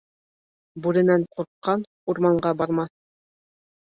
Бүренән ҡурҡҡан урманға бармаҫ.